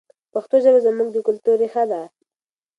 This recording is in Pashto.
پښتو ژبه زموږ د کلتور ریښه ده.